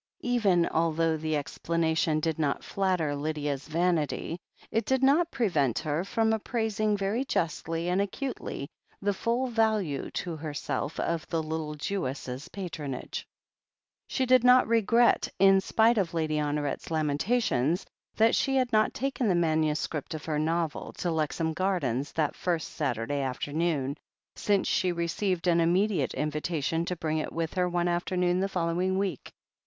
Even although the explanation did not flatter Lydia's vanity, it did not prevent her from appraising very justly and acutely the full value to herself of the little Jewess's patronage. She did not regret, in spite of Lady Honoret's lamentations, that she had not taken the manuscript of her novel to Lexham Gardens that first Saturday afternoon, since she received an imme diate invitation to bring it with her one afternoon the following week.